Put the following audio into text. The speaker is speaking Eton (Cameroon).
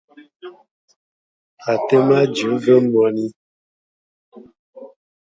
A te ma yi ve mwoani